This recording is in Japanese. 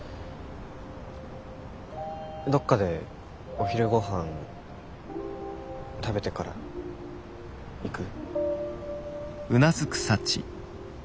どっかでお昼ごはん食べてから行く？